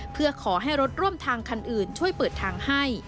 เพื่อขอให้รถร่วมทางคันอื่นช่วยเปิดทางให้